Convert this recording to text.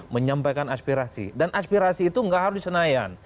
menyampaikan aspirasi dan aspirasi itu nggak harus di senayan